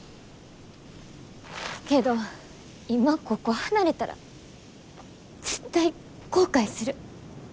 けど今ここ離れたら絶対後悔する。